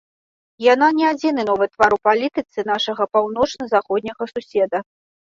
Яна не адзіны новы твар у палітыцы нашага паўночна-заходняга суседа.